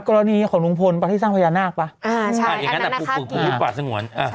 กรณีของลุงพลที่สร้างพยานาคป่ะอย่างนั้นน่ะบุกลุกป่าสงวน